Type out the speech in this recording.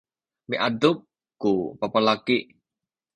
miadup ku babalaki.